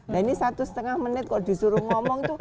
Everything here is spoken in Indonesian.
dan ini satu lima menit kalau disuruh ngomong